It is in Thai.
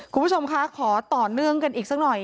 คุณผู้ชมคะขอต่อเนื่องกันอีกสักหน่อย